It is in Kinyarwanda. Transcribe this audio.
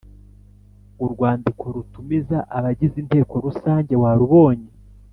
Urwandiko rutumira abagize Inteko Rusange warubonye‽